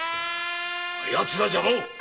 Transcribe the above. あやつが邪魔を！